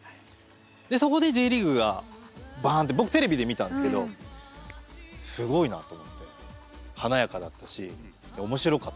そこでＪリーグがバンって僕テレビで見たんですけどすごいなと思って華やかだったし面白かったし。